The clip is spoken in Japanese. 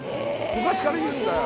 昔から言うんだよ